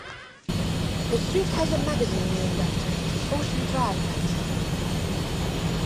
The street has a magazine named after it, "Ocean Drive" magazine.